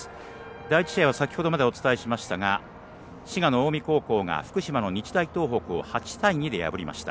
第１試合は先ほどまでお伝えしましたが滋賀の近江高校が福島の日大東北を８対２で破りました。